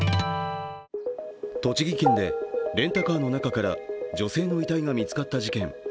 栃木県でレンタカーの中から女性の遺体が見つかった事件。